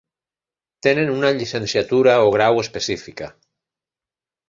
Tenen una llicenciatura o grau específica.